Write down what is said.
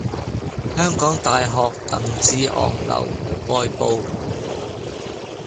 香港大學鄧志昂樓外部